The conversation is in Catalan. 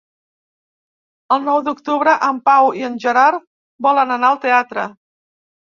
El nou d'octubre en Pau i en Gerard volen anar al teatre.